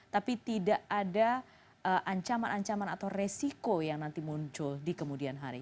tapi tidak ada ancaman ancaman atau resiko yang nanti muncul di kemudian hari